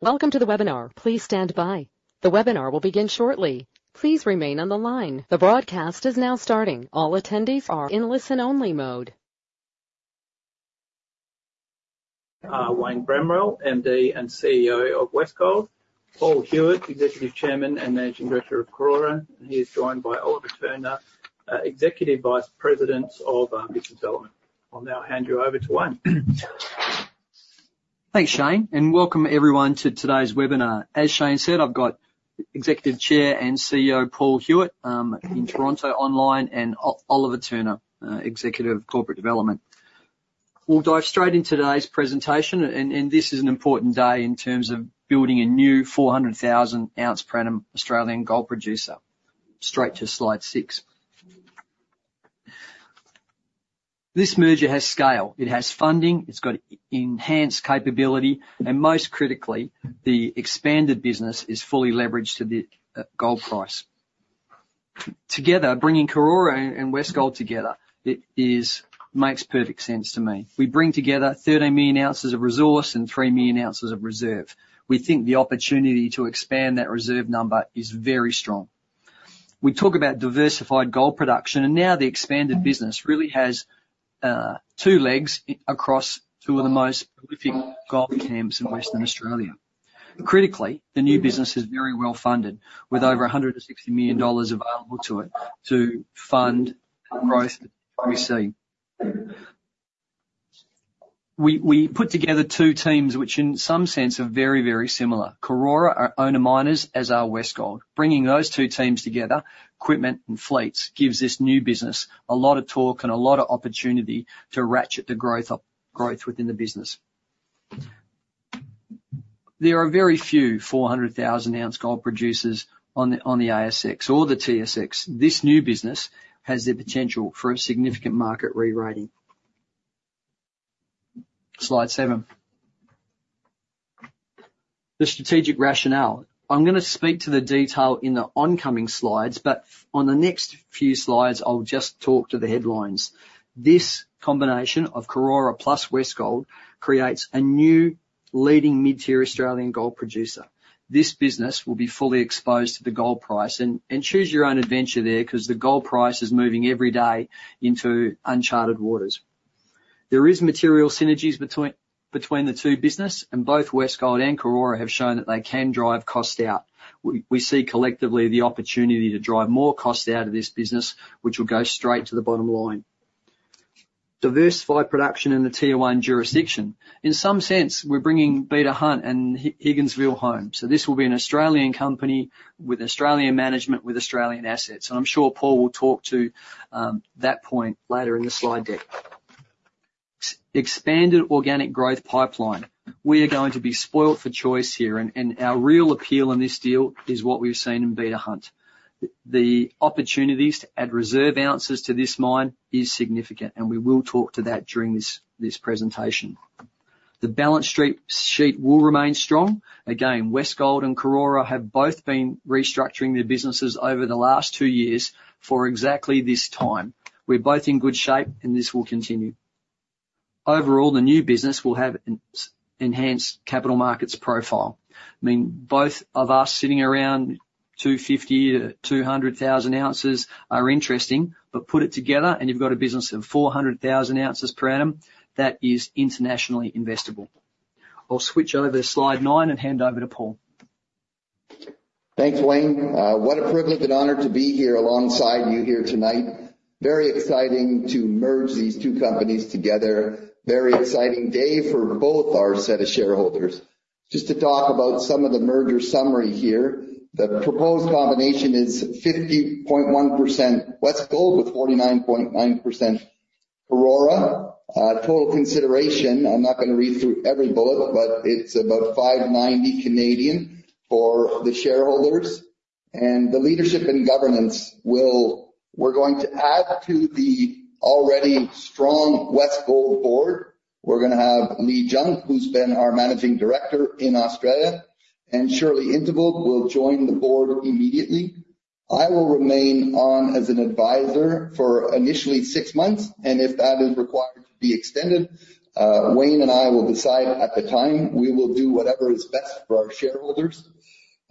Welcome to the webinar. Please stand by. The webinar will begin shortly. Please remain on the line. The broadcast is now starting. All attendees are in listen-only mode.... Wayne Bramwell, MD and CEO of Westgold. Paul Huet, Executive Chairman and Managing Director of Karora, and he is joined by Oliver Turner, Executive Vice President of Business Development. I'll now hand you over to Wayne. Thanks, Shane, and welcome everyone to today's webinar. As Shane said, I've got Executive Chair and CEO, Paul Huet, in Toronto, online, and Oliver Turner, Executive of Corporate Development. We'll dive straight into today's presentation, and this is an important day in terms of building a new 400,000 ounce per annum Australian gold producer. Straight to Slide 6. This merger has scale, it has funding, it's got enhanced capability, and most critically, the expanded business is fully leveraged to the gold price. Together, bringing Karora and Westgold together, it is... makes perfect sense to me. We bring together 13 million ounces of resource and 3 million ounces of reserve. We think the opportunity to expand that reserve number is very strong. We talk about diversified gold production, and now the expanded business really has two legs across two of the most prolific gold camps in Western Australia. Critically, the new business is very well-funded, with over 160 million dollars available to it to fund the growth that we see. We put together two teams, which in some sense are very, very similar. Karora are owner-miners, as are Westgold. Bringing those two teams together, equipment and fleets, gives this new business a lot of torque and a lot of opportunity to ratchet the growth up, growth within the business. There are very few 400,000-ounce gold producers on the ASX or the TSX. This new business has the potential for a significant market re-rating. Slide seven. The strategic rationale. I'm gonna speak to the detail in the oncoming slides, but on the next few slides, I'll just talk to the headlines. This combination of Karora plus Westgold creates a new leading mid-tier Australian gold producer. This business will be fully exposed to the gold price, and choose your own adventure there, 'cause the gold price is moving every day into uncharted waters. There is material synergies between the two business, and both Westgold and Karora have shown that they can drive costs out. We see collectively the opportunity to drive more costs out of this business, which will go straight to the bottom line. Diversified production in the Tier One jurisdiction. In some sense, we're bringing Beta Hunt and Higginsville home, so this will be an Australian company with Australian management, with Australian assets, and I'm sure Paul will talk to that point later in the slide deck. Expanded organic growth pipeline. We are going to be spoiled for choice here, and our real appeal in this deal is what we've seen in Beta Hunt. The opportunities to add reserve ounces to this mine is significant, and we will talk to that during this presentation. The balance sheet will remain strong. Again, Westgold and Karora have both been restructuring their businesses over the last two years for exactly this time. We're both in good shape and this will continue. Overall, the new business will have an enhanced capital markets profile. I mean, both of us sitting around 250,000 ounces-200,000 ounces are interesting, but put it together, and you've got a business of 400,000 ounces per annum, that is internationally investable. I'll switch over to slide 9 and hand over to Paul. Thanks, Wayne. What a privilege and honor to be here alongside you here tonight. Very exciting to merge these two companies together. Very exciting day for both our set of shareholders. Just to talk about some of the merger summary here. The proposed combination is 50.1% Westgold, with 49.9% Karora. Total consideration, I'm not gonna read through every bullet, but it's about 590 for the shareholders, and the leadership and governance will... We're going to add to the already strong Westgold board. We're gonna have Leigh Junk, who's been our managing director in Australia, and Shirley In't Veld will join the board immediately. I will remain on as an advisor for initially six months, and if that is required to be extended, Wayne and I will decide at the time. We will do whatever is best for our shareholders.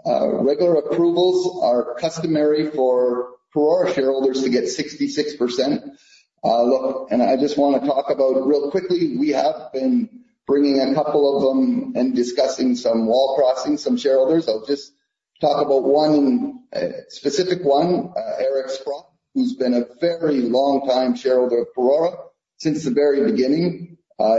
Regular approvals are customary for our shareholders to get 66%. Look, and I just wanna talk about real quickly, we have been bringing a couple of them and discussing some wall crossings, some shareholders. I'll just talk about one, specific one, Eric Sprott, who's been a very long time shareholder of Karora, since the very beginning.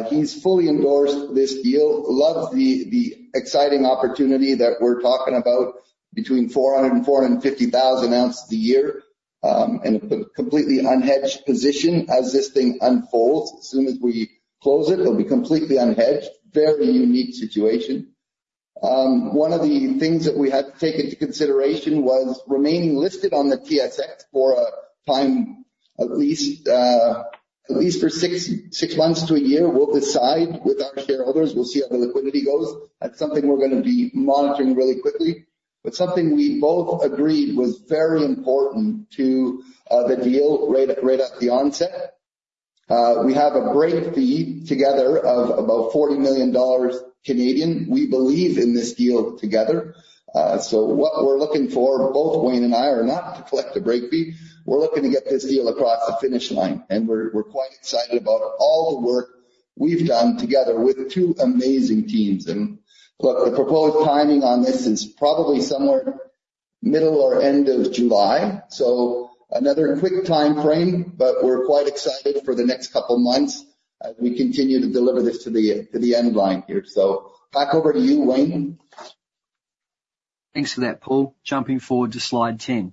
He's fully endorsed this deal, loves the exciting opportunity that we're talking about between 400 ounces-450,000 ounces a year, and a completely unhedged position as this thing unfolds. As soon as we close it, they'll be completely unhedged. Very unique situation. One of the things that we had to take into consideration was remaining listed on the TSX for a time, at least for six months to a year. We'll decide with our shareholders. We'll see how the liquidity goes. That's something we're gonna be monitoring really quickly, but something we both agreed was very important to the deal right at the onset. We have a break fee together of about 40 million Canadian dollars. We believe in this deal together. So what we're looking for, both Wayne and I, are not to collect the break fee. We're looking to get this deal across the finish line, and we're quite excited about all the work we've done together with two amazing teams. And look, the proposed timing on this is probably somewhere middle or end of July, so another quick timeframe, but we're quite excited for the next couple of months as we continue to deliver this to the end line here. So back over to you, Wayne. Thanks for that, Paul. Jumping forward to slide 10.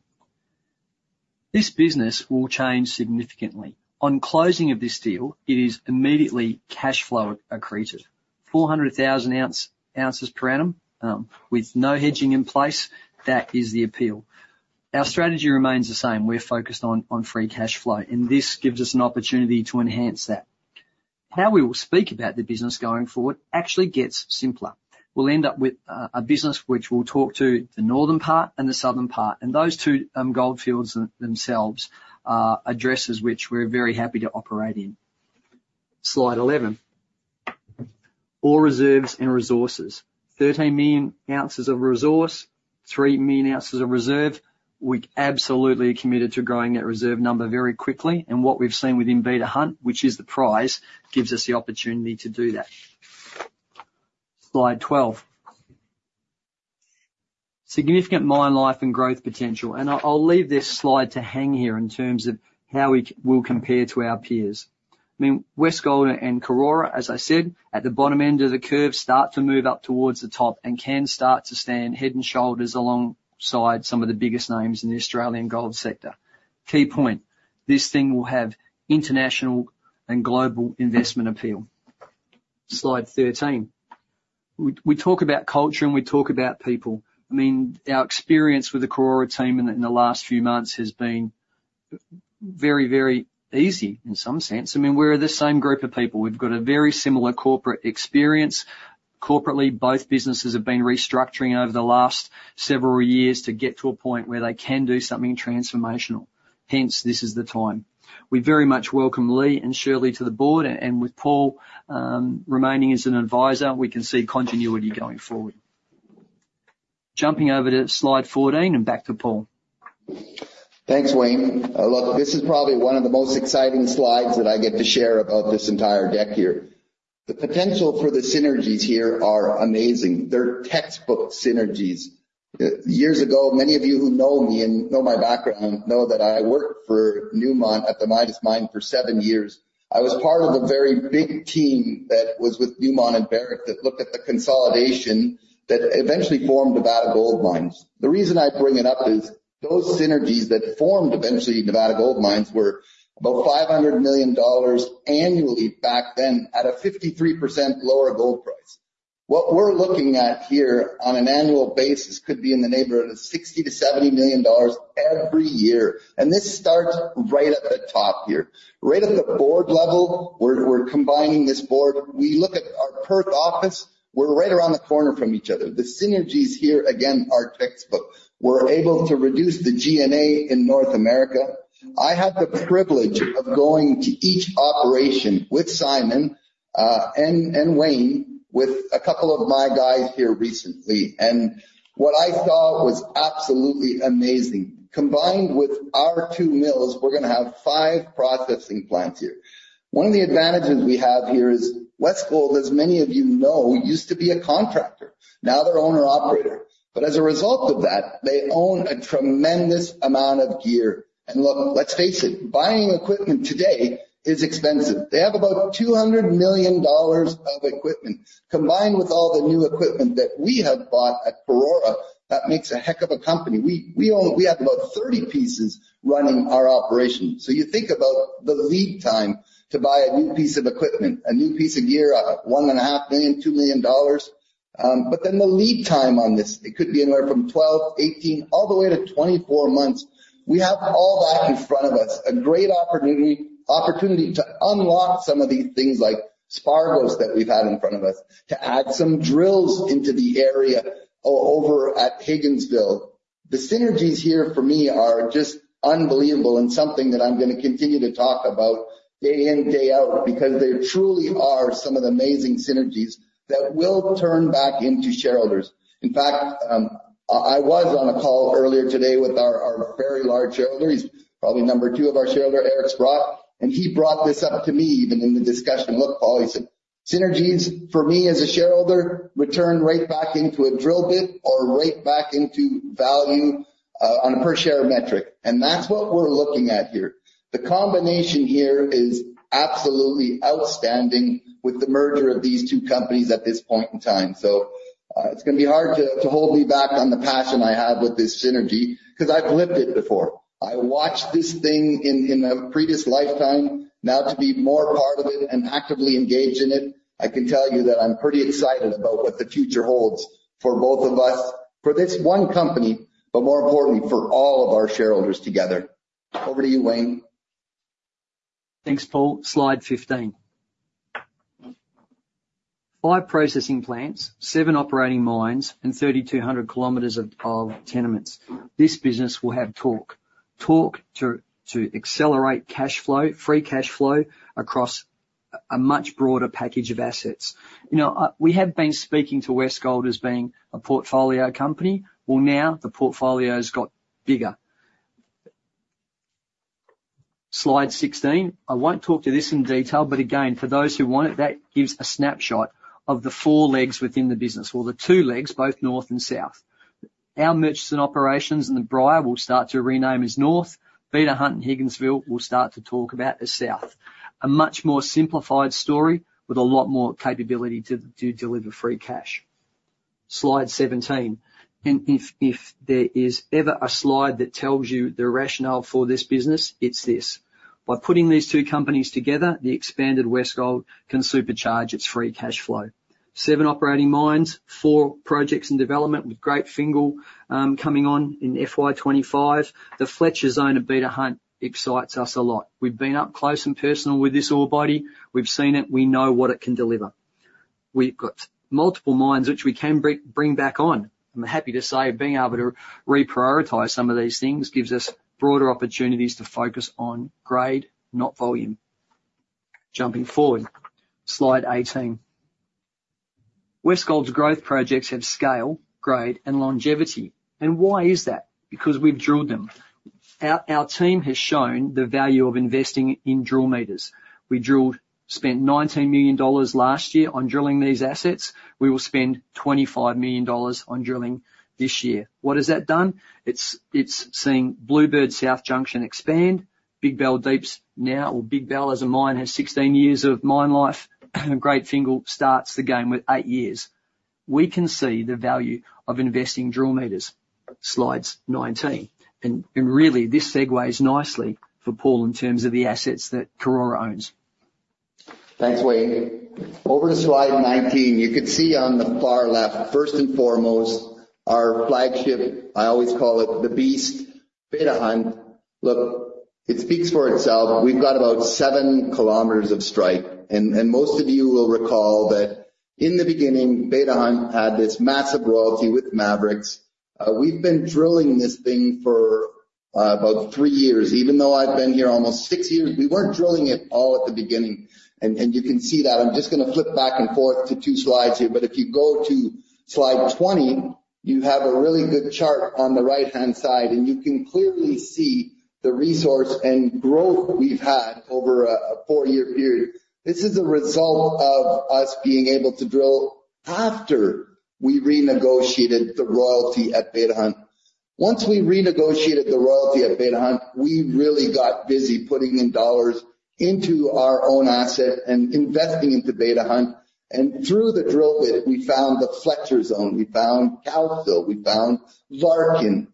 This business will change significantly. On closing of this deal, it is immediately cash flow accretive. 400,000 ounces per annum with no hedging in place, that is the appeal. Our strategy remains the same. We're focused on free cash flow, and this gives us an opportunity to enhance that. How we will speak about the business going forward actually gets simpler. We'll end up with a business which we'll talk to the northern part and the southern part, and those two gold fields themselves addresses which we're very happy to operate in. Slide 11. Ore reserves and resources. 13 million ounces of resource, 3 million ounces of reserve. We absolutely are committed to growing that reserve number very quickly, and what we've seen with Beta Hunt, which is the prize, gives us the opportunity to do that. Slide 12. Significant mine life and growth potential, and I'll leave this slide to hang here in terms of how we'll compare to our peers. I mean, Westgold and Karora, as I said, at the bottom end of the curve, start to move up towards the top and can start to stand head and shoulders alongside some of the biggest names in the Australian gold sector. Key point, this thing will have international and global investment appeal. Slide 13. We talk about culture and we talk about people. I mean, our experience with the Karora team in the last few months has been very, very easy in some sense. I mean, we're the same group of people. We've got a very similar corporate experience. Corporately, both businesses have been restructuring over the last several years to get to a point where they can do something transformational. Hence, this is the time. We very much welcome Lee and Shirley to the board, and with Paul remaining as an advisor, we can see continuity going forward. Jumping over to slide 14 and back to Paul. Thanks, Wayne. Look, this is probably one of the most exciting slides that I get to share about this entire deck here. The potential for the synergies here are amazing. They're textbook synergies. Years ago, many of you who know me and know my background know that I worked for Newmont at the Midas Mine for seven years. I was part of a very big team that was with Newmont and Barrick that looked at the consolidation that eventually formed Nevada Gold Mines. The reason I bring it up is, those synergies that formed eventually Nevada Gold Mines, were about $500 million annually back then at a 53% lower gold price. What we're looking at here on an annual basis could be in the neighborhood of $60 million-$70 million every year, and this starts right at the top here. Right at the board level, we're combining this board. We look at our Perth office, we're right around the corner from each other. The synergies here, again, are textbook. We're able to reduce the G&A in North America. I had the privilege of going to each operation with Simon and Wayne, with a couple of my guys here recently, and what I saw was absolutely amazing. Combined with our 2 mills, we're gonna have 5 processing plants here. One of the advantages we have here is Westgold, as many of you know, used to be a contractor, now they're owner-operator, but as a result of that, they own a tremendous amount of gear. And look, let's face it, buying equipment today is expensive. They have about $ 200 million of equipment. Combined with all the new equipment that we have bought at Karora, that makes a heck of a company. We own. We have about 30 pieces running our operation. So you think about the lead time to buy a new piece of equipment, a new piece of gear, $1.5 million, $2 million. But then the lead time on this, it could be anywhere from 12, 18, all the way to 24 months. We have all that in front of us, a great opportunity to unlock some of these things like Spargos, that we've had in front of us, to add some drills into the area over at Higginsville. The synergies here for me are just unbelievable and something that I'm gonna continue to talk about day in, day out, because they truly are some of the amazing synergies that will turn back into shareholders. In fact, I was on a call earlier today with our very large shareholder, he's probably number two of our shareholder, Eric Sprott, and he brought this up to me even in the discussion. "Look, Paul," he said, "synergies for me as a shareholder would turn right back into a drill bit or right back into value on a per share metric." And that's what we're looking at here. The combination here is absolutely outstanding with the merger of these two companies at this point in time. So, it's gonna be hard to hold me back on the passion I have with this synergy, 'cause I've lived it before. I watched this thing in a previous lifetime, now to be more a part of it and actively engaged in it, I can tell you that I'm pretty excited about what the future holds for both of us, for this one company, but more importantly, for all of our shareholders together. Over to you, Wayne. Thanks, Paul. Slide 15. 5 processing plants, 7 operating mines, and 3,200 kilometers of tenements. This business will have torque. Torque to accelerate cash flow, free cash flow across a much broader package of assets. You know, we have been speaking to Westgold as being a portfolio company. Well, now the portfolio's got bigger. Slide 16. I won't talk to this in detail, but again, for those who want it, that gives a snapshot of the four legs within the business. Well, the two legs, both north and south. Our Murchison operations and the Bryah, we'll start to rename as North, Beta Hunt and Higginsville, we'll start to talk about as South. A much more simplified story with a lot more capability to deliver free cash. Slide 17. If there is ever a slide that tells you the rationale for this business, it's this. By putting these two companies together, the expanded Westgold can supercharge its free cash flow. 7 operating mines, 4 projects in development, with Great Fingall coming on in FY 2025. The Fletcher Zone of Beta Hunt excites us a lot. We've been up close and personal with this ore body. We've seen it, we know what it can deliver. We've got multiple mines which we can bring back on. I'm happy to say, being able to reprioritize some of these things gives us broader opportunities to focus on grade, not volume. Jumping forward, slide 18. Westgold's growth projects have scale, grade, and longevity. And why is that? Because we've drilled them. Our team has shown the value of investing in drill meters. We drilled, spent $19 million last year on drilling these assets. We will spend $25 million on drilling this year. What has that done? It's seeing Bluebird South Junction expand. Big Bell Deeps now, or Big Bell as a mine, has 16 years of mine life, and Great Fingall starts the game with 8 years. We can see the value of investing drill meters. Slide 19. And really, this segues nicely for Paul in terms of the assets that Karora owns. Thanks, Wayne. Over to slide 19. You can see on the far left, first and foremost, our flagship, I always call it the Beast, Beta Hunt. Look, it speaks for itself. We've got about 7 kilometers of strike, and most of you will recall that in the beginning, Beta Hunt had this massive royalty with Maverix. We've been drilling this thing for about 3 years. Even though I've been here almost 6 years, we weren't drilling it all at the beginning, and you can see that. I'm just gonna flip back and forth to 2 slides here, but if you go to slide 20, you have a really good chart on the right-hand side, and you can clearly see the resource and growth we've had over a 4-year period. This is a result of us being able to drill after we renegotiated the royalty at Beta Hunt. Once we renegotiated the royalty at Beta Hunt, we really got busy putting in dollars into our own asset and investing into Beta Hunt, and through the drill bit, we found the Fletcher Zone, we found Cowcill, we found Larkin,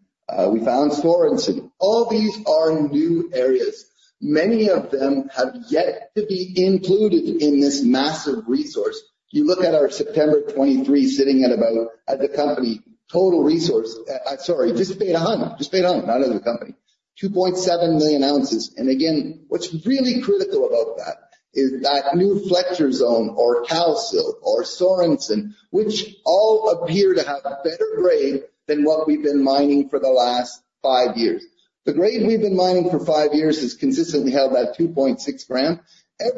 we found Sorensen. All these are new areas. Many of them have yet to be included in this massive resource. You look at our September 2023, sitting at about, at the company, total resource. Sorry, just Beta Hunt, just Beta Hunt, not at the company, 2.7 million ounces. And again, what's really critical about that is that new Fletcher Zone or Cowcill or Sorensen, which all appear to have better grade than what we've been mining for the last five years. The grade we've been mining for five years has consistently held at 2.6g.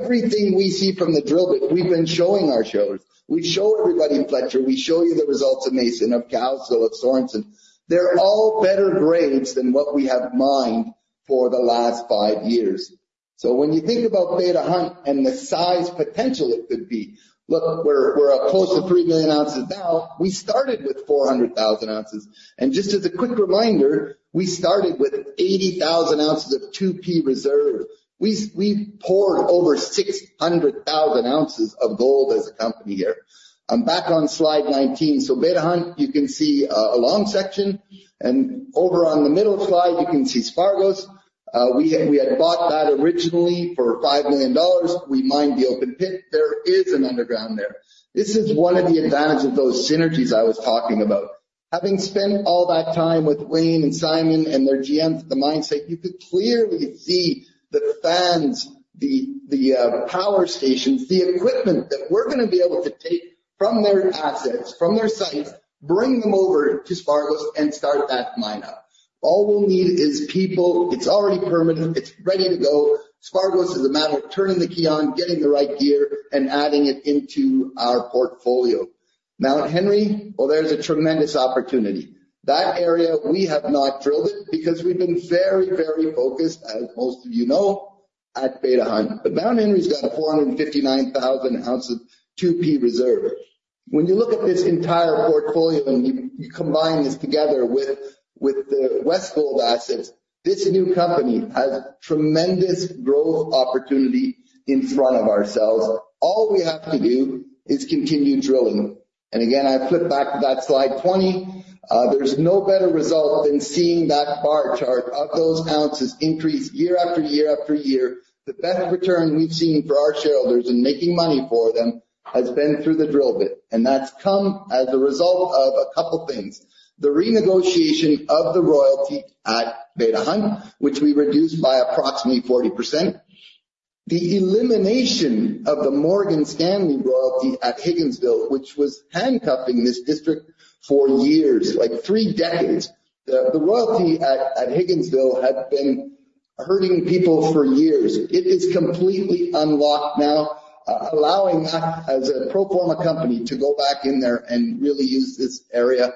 Everything we see from the drill bit, we've been showing our shareholders. We show everybody Fletcher, we show you the results of Mason, of Cowcill, of Sorensen. They're all better grades than what we have mined for the last five years. So when you think about Beta Hunt and the size potential it could be, look, we're up close to 3 million ounces now. We started with 400,000 ounces, and just as a quick reminder, we started with 80,000 ounces of 2P reserve. We've poured over 600,000 ounces of gold as a company here. I'm back on slide 19. So Beta Hunt, you can see a long section, and over on the middle slide, you can see Spargos. We had, we had bought that originally for $5 million. We mined the open pit. There is an underground there. This is one of the advantages of those synergies I was talking about. Having spent all that time with Wayne and Simon and their GMs at the mine site, you could clearly see the fans, the power stations, the equipment that we're gonna be able to take from their assets, from their sites, bring them over to Spargos and start that mine up. All we'll need is people. It's already permanent. It's ready to go. Spargos is a matter of turning the key on, getting the right gear, and adding it into our portfolio. Mount Henry, well, there's a tremendous opportunity. That area, we have not drilled it because we've been very, very focused, as most of you know, at Beta Hunt. But Mount Henry’s got a 459,000-ounce 2P reserve. When you look at this entire portfolio and you combine this together with the Westgold assets, this new company has tremendous growth opportunity in front of ourselves. All we have to do is continue drilling. And again, I flip back to that slide 20. There’s no better result than seeing that bar chart of those ounces increase year after year after year. The best return we’ve seen for our shareholders in making money for them has been through the drill bit, and that’s come as a result of a couple things. The renegotiation of the royalty at Beta Hunt, which we reduced by approximately 40%.... The elimination of the Morgan Stanley royalty at Higginsville, which was handcuffing this district for years, like three decades. The royalty at Higginsville had been hurting people for years. It is completely unlocked now, allowing that as a pro forma company, to go back in there and really use this area.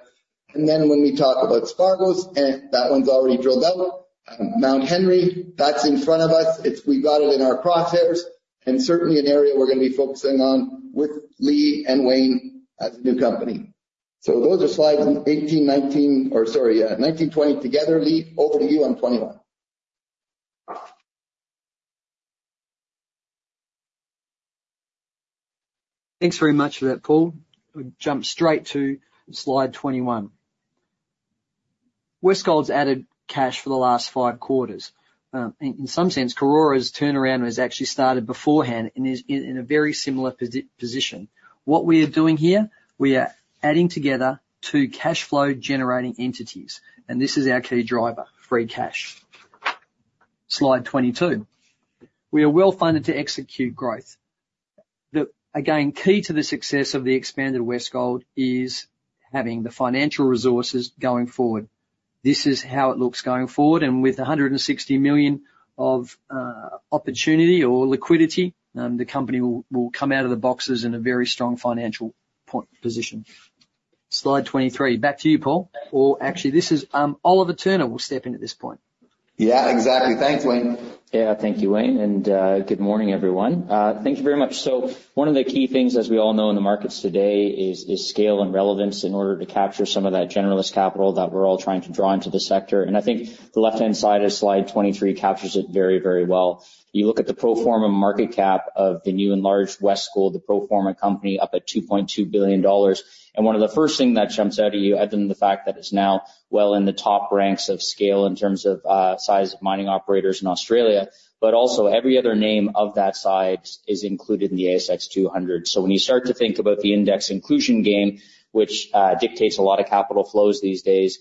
And then when we talk about Spargos, and that one's already drilled out. Mount Henry, that's in front of us. It's we've got it in our crosshairs, and certainly an area we're gonna be focusing on with Lee and Wayne as a new company. So those are slides 18, 19. Or sorry, 19, 20 together. Lee, over to you on 21. Thanks very much for that, Paul. We'll jump straight to slide 21. Westgold's added cash for the last five quarters. In some sense, Karora's turnaround has actually started beforehand and is in a very similar position. What we are doing here, we are adding together two cash flow-generating entities, and this is our key driver, free cash. Slide 22. We are well-funded to execute growth. The again key to the success of the expanded Westgold is having the financial resources going forward. This is how it looks going forward, and with $160 million of opportunity or liquidity, the company will come out of the boxes in a very strong financial position. Slide 23. Back to you, Paul. Or actually, this is, Oliver Turner will step in at this point. Yeah, exactly. Thanks, Wayne. Yeah, thank you, Wayne, and good morning, everyone. Thank you very much. So one of the key things, as we all know in the markets today, is scale and relevance in order to capture some of that generalist capital that we're all trying to draw into the sector. And I think the left-hand side of slide 23 captures it very, very well. You look at the pro forma market cap of the new and large Westgold, the pro forma company, up at $2.2 billion, and one of the first thing that jumps out at you, other than the fact that it's now well in the top ranks of scale in terms of size of mining operators in Australia, but also every other name of that size is included in the ASX 200. So when you start to think about the index inclusion game, which dictates a lot of capital flows these days,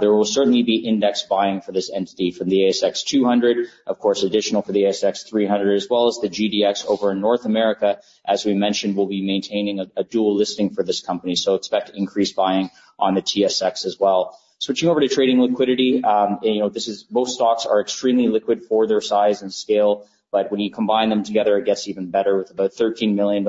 there will certainly be index buying for this entity from the ASX 200, of course, additional for the ASX 300, as well as the GDX over in North America, as we mentioned, we'll be maintaining a dual listing for this company, so expect increased buying on the TSX as well. Switching over to trading liquidity, you know, this is... Both stocks are extremely liquid for their size and scale, but when you combine them together, it gets even better, with about $13 million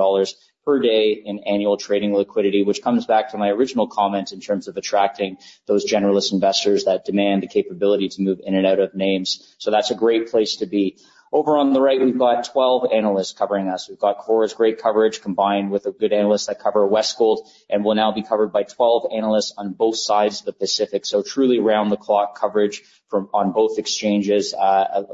per day in annual trading liquidity, which comes back to my original comment in terms of attracting those generalist investors that demand the capability to move in and out of names. So that's a great place to be. Over on the right, we've got 12 analysts covering us. We've got Karora's great coverage, combined with a good analyst that cover Westgold, and we'll now be covered by 12 analysts on both sides of the Pacific, so truly around-the-clock coverage from, on both exchanges,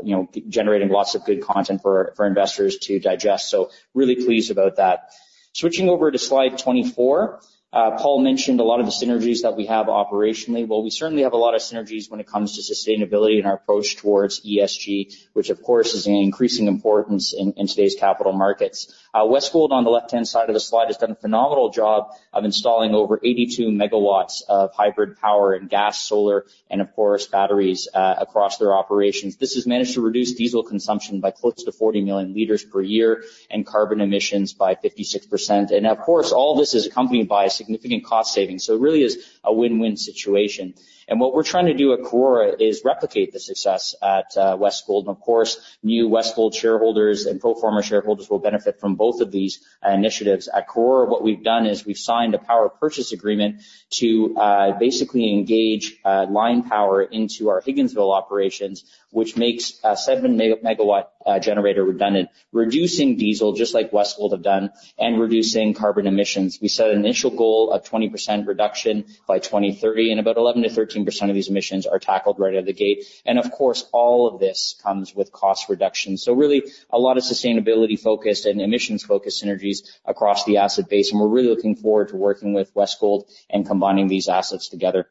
you know, generating lots of good content for, for investors to digest. So really pleased about that. Switching over to slide 24, Paul mentioned a lot of the synergies that we have operationally. Well, we certainly have a lot of synergies when it comes to sustainability and our approach towards ESG, which of course is an increasing importance in, in today's capital markets. Westgold, on the left-hand side of the slide, has done a phenomenal job of installing over 82 MW of hybrid power and gas, solar, and of course, batteries, across their operations. This has managed to reduce diesel consumption by close to 40 million liters per year and carbon emissions by 56%. Of course, all this is accompanied by a significant cost saving, so it really is a win-win situation. What we're trying to do at Karora is replicate the success at Westgold. Of course, new Westgold shareholders and pro forma shareholders will benefit from both of these initiatives. At Karora, what we've done is we've signed a power purchase agreement to basically engage line power into our Higginsville operations, which makes a 7 MW generator redundant, reducing diesel, just like Westgold have done, and reducing carbon emissions. We set an initial goal of 20% reduction by 2030, and about 11%-13% of these emissions are tackled right out of the gate. And of course, all of this comes with cost reduction. So really a lot of sustainability-focused and emissions-focused synergies across the asset base, and we're really looking forward to working with Westgold and combining these assets together.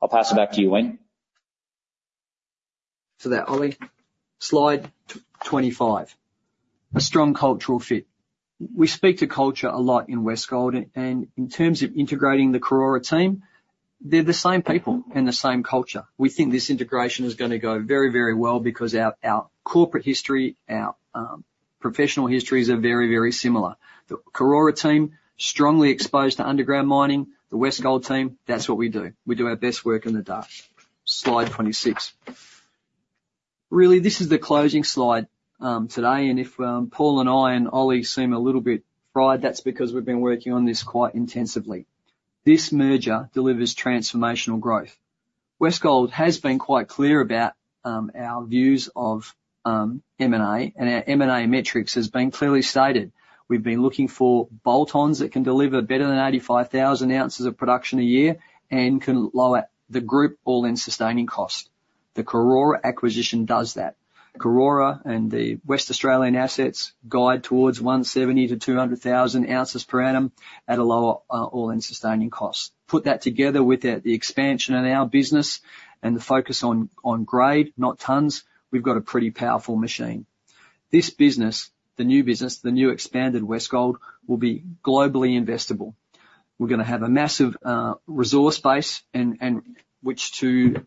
I'll pass it back to you, Wayne.... Thanks for that, Ollie. Slide 25. A strong cultural fit. We speak to culture a lot in Westgold, and in terms of integrating the Karora team, they're the same people and the same culture. We think this integration is gonna go very, very well because our corporate history, our professional histories are very, very similar. The Karora team, strongly exposed to underground mining. The Westgold team, that's what we do. We do our best work in the dark. Slide 26. Really, this is the closing slide today, and if Paul and I and Ollie seem a little bit fried, that's because we've been working on this quite intensively. This merger delivers transformational growth. Westgold has been quite clear about our views of M&A, and our M&A metrics has been clearly stated. We've been looking for bolt-ons that can deliver better than 85,000 ounces of production a year and can lower the group all-in sustaining cost. The Karora acquisition does that. Karora and the West Australian assets guide towards 170,000 ounces-200,000 ounces per annum at a lower all-in sustaining cost. Put that together with the expansion in our business and the focus on grade, not tons, we've got a pretty powerful machine. This business, the new business, the new expanded Westgold, will be globally investable.... We're gonna have a massive resource base, and which to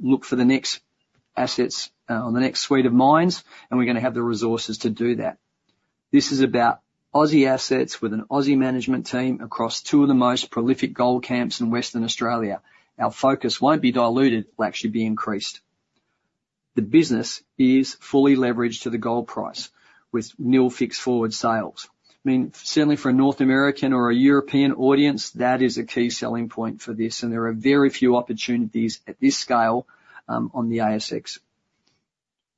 look for the next assets on the next suite of mines, and we're gonna have the resources to do that. This is about Aussie assets with an Aussie management team across two of the most prolific gold camps in Western Australia. Our focus won't be diluted, will actually be increased. The business is fully leveraged to the gold price, with nil fixed forward sales. I mean, certainly for a North American or a European audience, that is a key selling point for this, and there are very few opportunities at this scale on the ASX.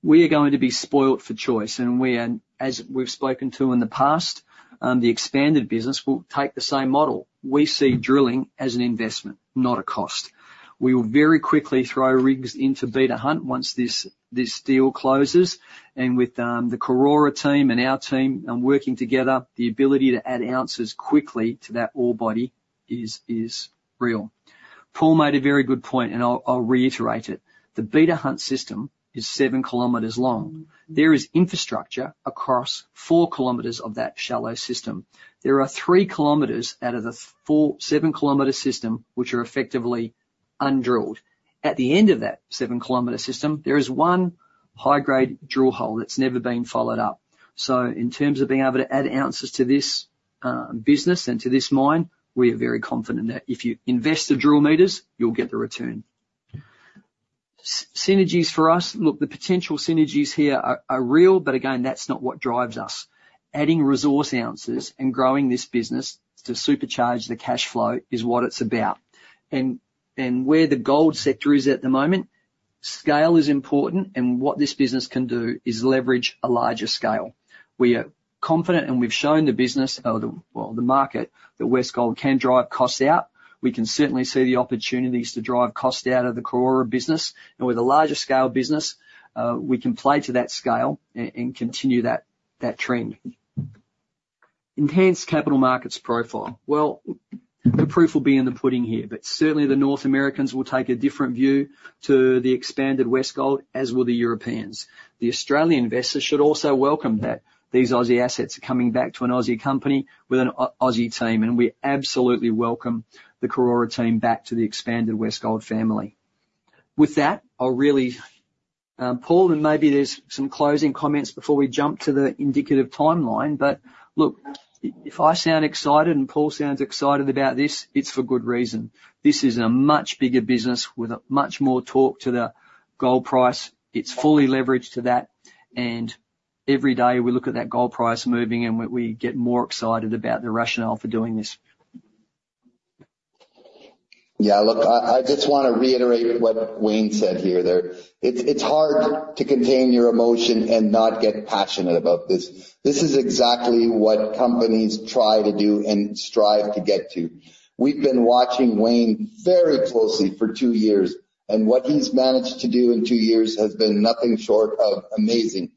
We are going to be spoiled for choice, and as we've spoken to in the past, the expanded business will take the same model. We see drilling as an investment, not a cost. We will very quickly throw rigs into Beta Hunt once this deal closes. And with the Karora team and our team working together, the ability to add ounces quickly to that ore body is real. Paul made a very good point, and I'll reiterate it. The Beta Hunt system is seven kilometers long. There is infrastructure across 4 kilometers of that shallow system. There are 3km out of the 4km, 7km system, which are effectively undrilled. At the end of that 7km system, there is 1 high-grade drill hole that's never been followed up. So in terms of being able to add ounces to this business and to this mine, we are very confident that if you invest the drill meters, you'll get the return. Synergies for us, look, the potential synergies here are real, but again, that's not what drives us. Adding resource ounces and growing this business to supercharge the cash flow is what it's about. Where the gold sector is at the moment, scale is important, and what this business can do is leverage a larger scale. We are confident, and we've shown the business, or the, well, the market, that Westgold can drive costs out. We can certainly see the opportunities to drive cost out of the Karora business. And with a larger scale business, we can play to that scale and continue that, that trend. Enhanced capital markets profile. Well, the proof will be in the pudding here, but certainly the North Americans will take a different view to the expanded Westgold, as will the Europeans. The Australian investors should also welcome that these Aussie assets are coming back to an Aussie company with an Aussie team, and we absolutely welcome the Karora team back to the expanded Westgold family. With that, I'll really... Paul, and maybe there's some closing comments before we jump to the indicative timeline, but look, if I sound excited and Paul sounds excited about this, it's for good reason. This is a much bigger business with a much more talk to the gold price. It's fully leveraged to that, and every day we look at that gold price moving, and we get more excited about the rationale for doing this. Yeah, look, I just want to reiterate what Wayne said here, that it's hard to contain your emotion and not get passionate about this. This is exactly what companies try to do and strive to get to. We've been watching Wayne very closely for 2 years, and what he's managed to do in 2 years has been nothing short of amazing.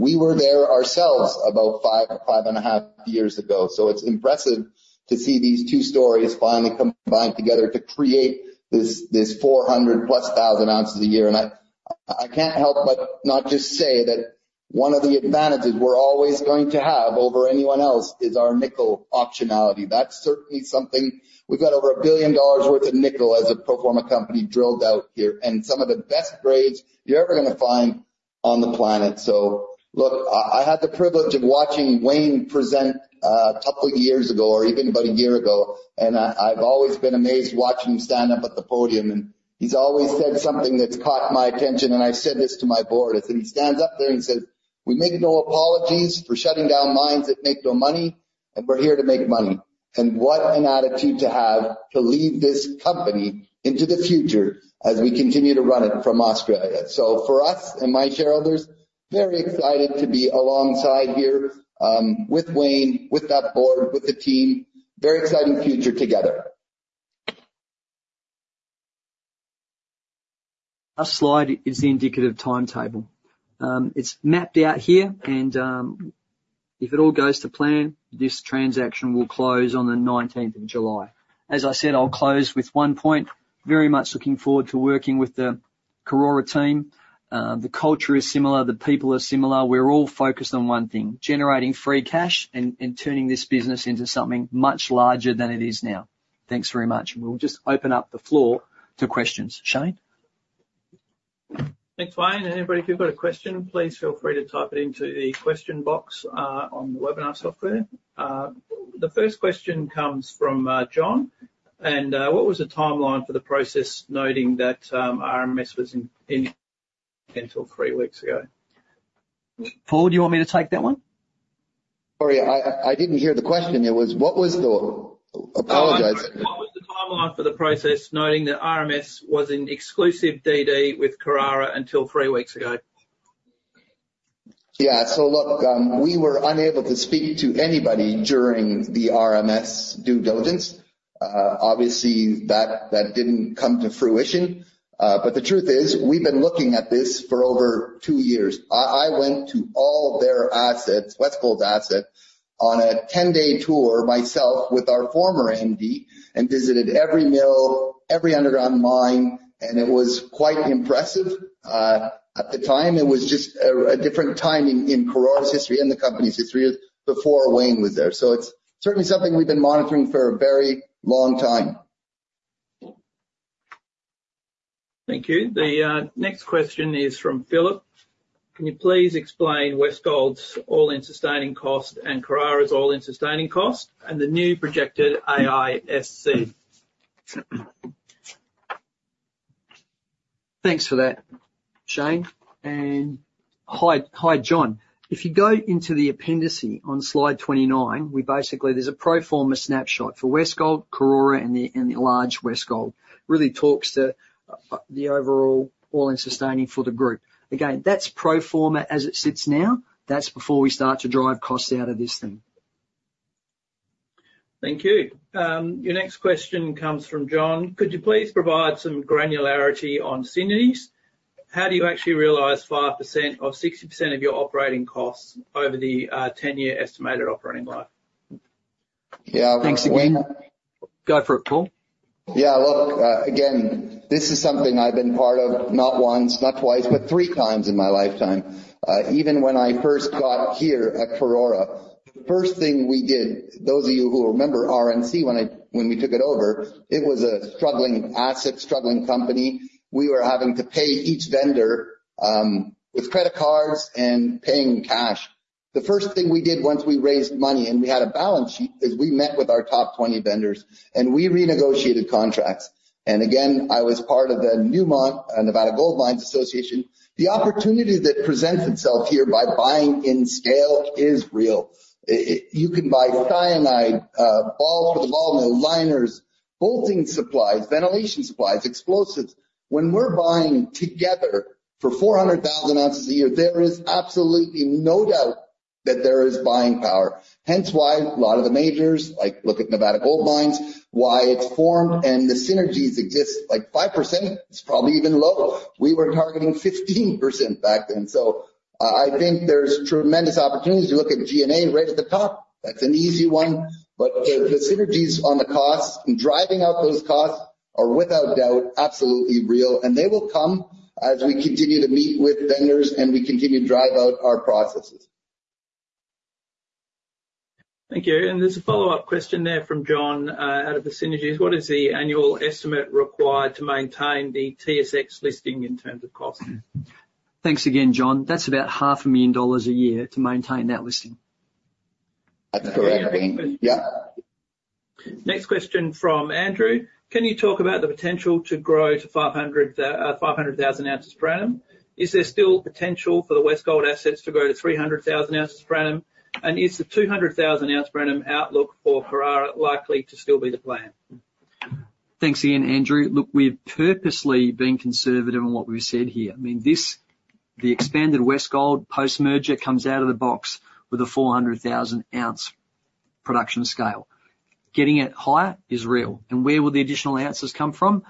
We were there ourselves about 5.5 years ago, so it's impressive to see these two stories finally combined together to create this 400+ thousand ounces a year. And I can't help but not just say that one of the advantages we're always going to have over anyone else is our nickel optionality. That's certainly something... We've got over $1 billion worth of nickel as a pro forma company drilled out here, and some of the best grades you're ever gonna find on the planet. So look, I, I had the privilege of watching Wayne present a couple of years ago, or even about a year ago, and I, I've always been amazed watching him stand up at the podium, and he's always said something that's caught my attention, and I've said this to my board. As he stands up there and says, "We make no apologies for shutting down mines that make no money, and we're here to make money." And what an attitude to have to lead this company into the future as we continue to run it from Australia. So for us and my shareholders, very excited to be alongside here, with Wayne, with that board, with the team. Very exciting future together. Last slide is the indicative timetable. It's mapped out here, and if it all goes to plan, this transaction will close on the nineteenth of July. As I said, I'll close with one point, very much looking forward to working with the Karora team. The culture is similar, the people are similar. We're all focused on one thing, generating free cash and turning this business into something much larger than it is now. Thanks very much. We'll just open up the floor to questions. Shane? Thanks, Wayne, and everybody, if you've got a question, please feel free to type it into the question box on the webinar software. The first question comes from John, and what was the timeline for the process, noting that RMS was in until three weeks ago? Paul, do you want me to take that one? Sorry, I didn't hear the question. It was, what was the... Apologize. What was the timeline for the process, noting that RMS was in exclusive DD with Karora until three weeks ago? Yeah. So look, we were unable to speak to anybody during the RMS due diligence. Obviously, that, that didn't come to fruition, but the truth is, we've been looking at this for over two years. I went to all their assets, Westgold's assets, on a 10-day tour myself with our former MD, and visited every mill, every underground mine, and it was quite impressive. At the time, it was just a different timing in Karora's history, in the company's history, before Wayne was there. So it's certainly something we've been monitoring for a very long time. Thank you. The next question is from Philip: Can you please explain Westgold's all-in sustaining cost and Karora's all-in sustaining cost and the new projected AISC? Thanks for that, Shane, and hi, hi, John. If you go into the appendices on slide 29, we basically, there's a pro forma snapshot for Westgold, Karora, and the, and the large Westgold. Really talks to the overall all-in sustaining for the group. Again, that's pro forma as it sits now. That's before we start to drive costs out of this thing. Thank you. Your next question comes from John: Could you please provide some granularity on synergies? How do you actually realize 5% of 60% of your operating costs over the 10-year estimated operating life? Yeah. Thanks again. Go for it, Paul. Yeah, look, again, this is something I've been part of not once, not twice, but three times in my lifetime. Even when I first got here at Karora, first thing we did, those of you who remember RNC when we took it over, it was a struggling asset, struggling company. We were having to pay each vendor with credit cards and paying cash. The first thing we did once we raised money and we had a balance sheet is we met with our top 20 vendors, and we renegotiated contracts. Again, I was part of the Newmont and Nevada Gold Mines Association. The opportunity that presents itself here by buying in scale is real. You can buy cyanide, ball for the ball mill, liners, bolting supplies, ventilation supplies, explosives. When we're buying together for 400,000 ounces a year, there is absolutely no doubt that there is buying power. Hence why a lot of the majors, like look at Nevada Gold Mines, why it's formed and the synergies exist, like 5% is probably even low. We were targeting 15% back then. So I think there's tremendous opportunities. You look at G&A right at the top, that's an easy one. But the synergies on the costs, and driving out those costs are without doubt, absolutely real, and they will come as we continue to meet with vendors and we continue to drive out our processes. Thank you. And there's a follow-up question there from John, out of the synergies. What is the annual estimate required to maintain the TSX listing in terms of cost? Thanks again, John. That's about $500,000 a year to maintain that listing. That's correct, yeah. Next question from Andrew: Can you talk about the potential to grow to 500,000 ounces per annum? Is there still potential for the Westgold assets to grow to 300,000 ounces per annum? And is the 200,000 ounce per annum outlook for Karora likely to still be the plan? Thanks again, Andrew. Look, we've purposely been conservative in what we've said here. I mean, this, the expanded Westgold post-merger comes out of the box with a 400,000-ounce production scale. Getting it higher is real. And where will the additional ounces come from?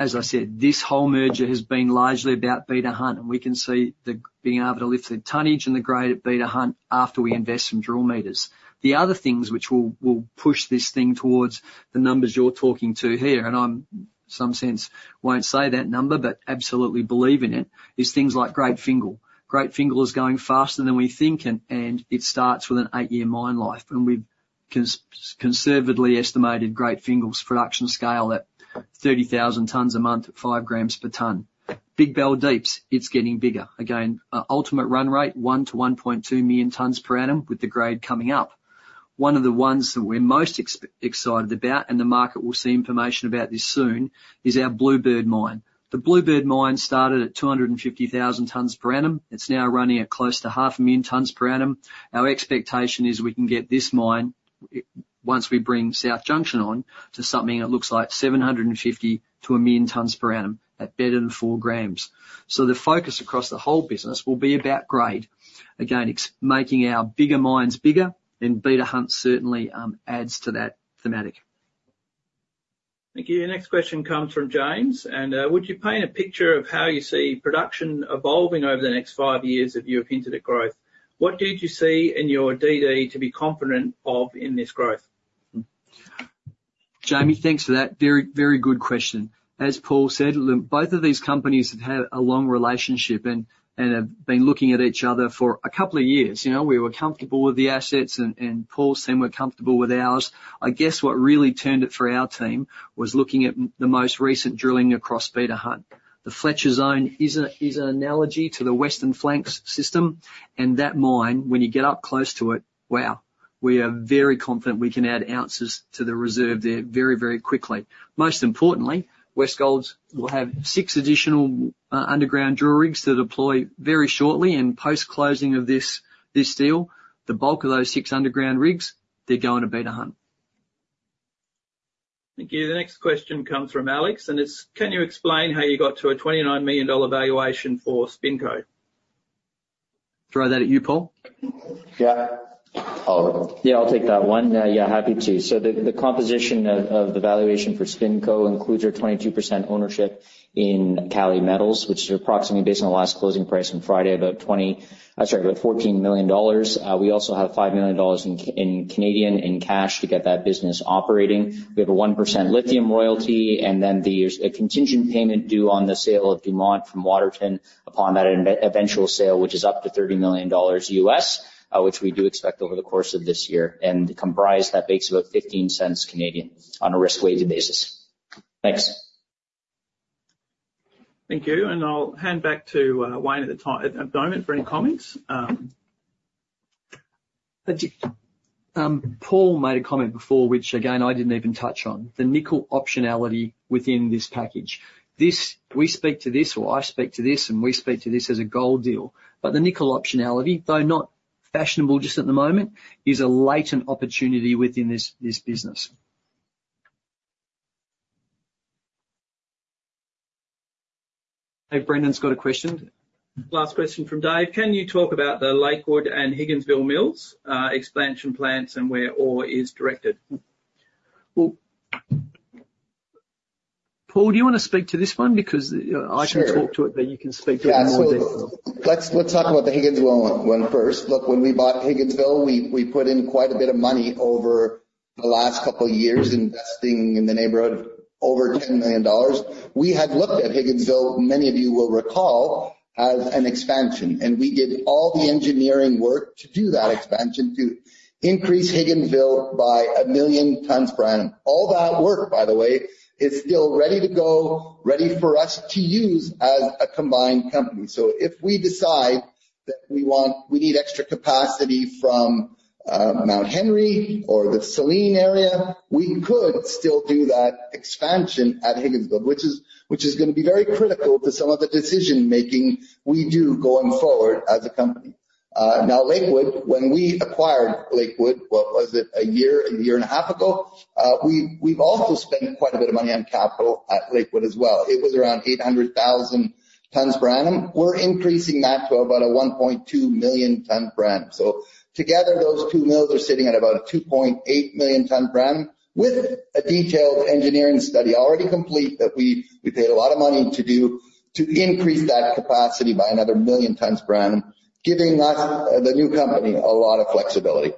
As I said, this whole merger has been largely about Beta Hunt, and we can see the, being able to lift the tonnage and the grade at Beta Hunt after we invest some drill meters. The other things which will, will push this thing towards the numbers you're talking to here, and I'm... some sense, won't say that number, but absolutely believe in it, is things like Great Fingall. Great Fingall is going faster than we think, and it starts with an 8-year mine life, and we've conservatively estimated Great Fingall's production scale at 30,000 tons a month at 5 grams per ton. Big Bell Deeps, it's getting bigger. Again, ultimate run rate, 1 million-1.2 million tons per annum, with the grade coming up. One of the ones that we're most excited about, and the market will see information about this soon, is our Bluebird Mine. The Bluebird Mine started at 250,000 tons per annum. It's now running at close to 500,000 tons per annum. Our expectation is we can get this mine, once we bring South Junction on, to something that looks like 750,000 million-1 million tons per annum at better than 4g. So the focus across the whole business will be about grade. Again, it's making our bigger mines bigger, and Beta Hunt certainly adds to that theme. Thank you. The next question comes from James, and: Would you paint a picture of how you see production evolving over the next five years if you are into the growth? What did you see in your DD to be confident of in this growth? Jamie, thanks for that. Very, very good question. As Paul said, look, both of these companies have had a long relationship and have been looking at each other for a couple of years. You know, we were comfortable with the assets, and Paul said we're comfortable with ours. I guess what really turned it for our team was looking at the most recent drilling across Beta Hunt. The Fletcher Zone is an analogy to the Western Flanks system, and that mine, when you get up close to it, wow! We are very confident we can add ounces to the reserve there very, very quickly. Most importantly, Westgold will have 6 additional underground drill rigs to deploy very shortly in post-closing of this deal. The bulk of those 6 underground rigs, they're going to Beta Hunt. Thank you. The next question comes from Alex, and it's: Can you explain how you got to a $29 million valuation for SpinCo? Throw that at you, Paul? Yeah. Paul. Yeah, I'll take that one. Yeah, happy to. So the composition of the valuation for SpinCo includes our 22% ownership in Kali Metals, which is approximately based on the last closing price on Friday, about 14 million dollars. We also have 5 million dollars in Canadian cash to get that business operating. We have a 1% lithium royalty, and then there's a contingent payment due on the sale of Dumont from Waterton upon that eventual sale, which is up to $30 million, which we do expect over the course of this year. And comprised, that makes about 0.15 on a risk-weighted basis. Thanks. Thank you, and I'll hand back to Wayne at the moment for any comments. Paul made a comment before, which again, I didn't even touch on, the nickel optionality within this package. This, we speak to this, or I speak to this, and we speak to this as a gold deal, but the nickel optionality, though not fashionable just at the moment, is a latent opportunity within this business. Dave Brendan's got a question. Last question from Dave: Can you talk about the Lakewood and Higginsville mills, expansion plans, and where ore is directed? Well, Paul, do you wanna speak to this one? Because, you know, I can talk to it- Sure. You can speak to it in more detail. Yeah, so let's talk about the Higginsville one first. Look, when we bought Higginsville, we put in quite a bit of money over the last couple years, investing in the neighborhood of over 10 million dollars. We had looked at Higginsville, many of you will recall, as an expansion, and we did all the engineering work to do that expansion to increase Higginsville by 1 million tons per annum. All that work, by the way, is still ready to go, ready for us to use as a combined company. So if we decide that we want... we need extra capacity from Mount Henry or the Selene area, we could still do that expansion at Higginsville, which is gonna be very critical to some of the decision-making we do going forward as a company. Now, Lakewood, when we acquired Lakewood, what was it? A year, a year and a half ago, we've also spent quite a bit of money on capital at Lakewood as well. It was around 800,000 tons per annum. We're increasing that to about a 1.2 million ton per annum. So together, those two mills are sitting at about a 2.8 million ton per annum, with a detailed engineering study already complete, that we paid a lot of money to do, to increase that capacity by another million tons per annum, giving us, the new company, a lot of flexibility.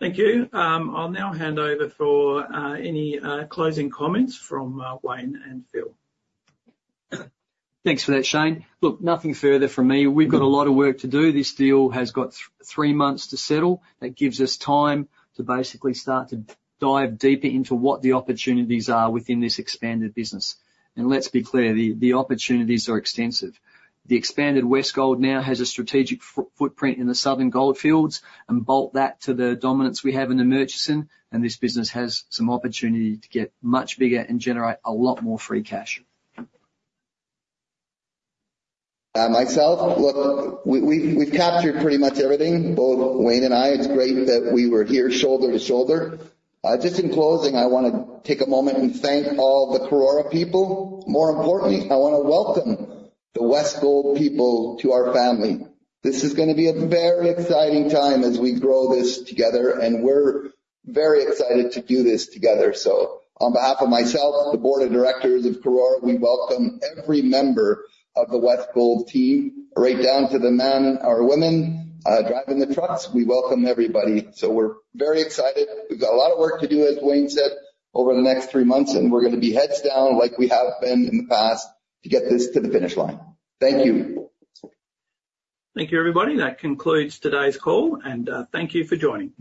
Thank you. I'll now hand over for any closing comments from Wayne and Phil. Thanks for that, Shane. Look, nothing further from me. We've got a lot of work to do. This deal has got three months to settle. That gives us time to basically start to dive deeper into what the opportunities are within this expanded business. And let's be clear, the, the opportunities are extensive. The expanded Westgold now has a strategic footprint in the Southern Goldfields, and bolt that to the dominance we have in the Murchison, and this business has some opportunity to get much bigger and generate a lot more free cash. Myself, look, we've captured pretty much everything, both Wayne and I. It's great that we were here shoulder to shoulder. Just in closing, I wanna take a moment and thank all the Karora people. More importantly, I wanna welcome the Westgold people to our family. This is gonna be a very exciting time as we grow this together, and we're very excited to do this together. So on behalf of myself, the board of directors of Karora, we welcome every member of the Westgold team, right down to the men or women driving the trucks. We welcome everybody. So we're very excited. We've got a lot of work to do, as Wayne said, over the next three months, and we're gonna be heads down, like we have been in the past, to get this to the finish line. Thank you. Thank you, everybody. That concludes today's call, and thank you for joining.